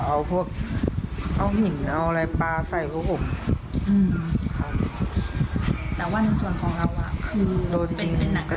เอาพวกเอ้าหิงเอาอะไรปลาใส่กระโธบครับเออแต่ว่าในส่วนของเรา